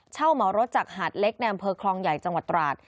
เหมารถจากหาดเล็กในอำเภอคลองใหญ่จังหวัดตราด